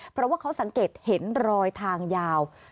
เพราะว่าเขาสังเกตเห็นรอยทางยาว